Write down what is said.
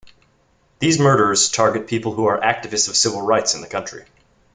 These murders target people who are activists of civil rights in the country.